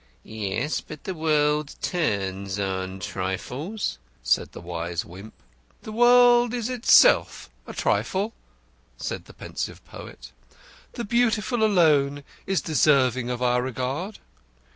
"Yes, but the world turns on trifles," said the wise Wimp. "The world is itself a trifle," said the pensive poet. "The Beautiful alone is deserving of our regard."